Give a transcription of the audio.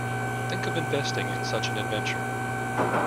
Think of investing in such an adventure.